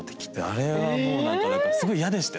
あれはもう何かだからすごい嫌でしたよ